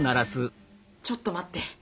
ちょっと待って！